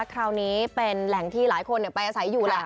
คราวนี้เป็นแหล่งที่หลายคนไปอาศัยอยู่แหละ